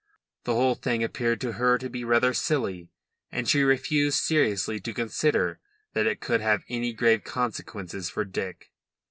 The whole thing appeared to her to be rather silly, and she refused seriously to consider that it could have any grave consequences for Dick.